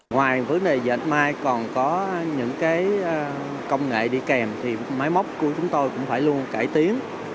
ngoài vấn đề dệt may còn có những công nghệ đi kèm thì máy móc của chúng tôi cũng phải luôn cải tiến